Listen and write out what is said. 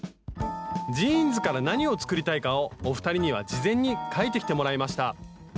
ジーンズから何を作りたいかをお二人には事前に描いてきてもらいました